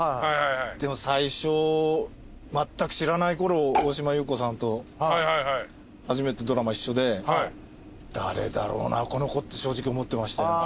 でも最初まったく知らないころ大島優子さんと初めてドラマ一緒で誰だろうなこの子って正直思ってましたよ。